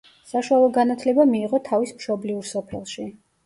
საშუალო განათლება მიიღო თავის მშობლიურ სოფელში.